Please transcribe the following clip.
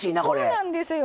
そうなんですよ。